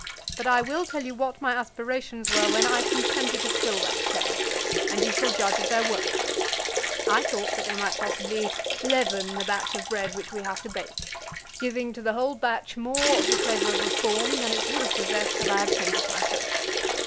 But I will tell you what my aspirations were when I consented to fill that chair, and you shall judge of their worth. I thought that they might possibly leaven the batch of bread which we have to bake, giving to the whole batch more of the flavour of reform than it would have possessed had I absented myself.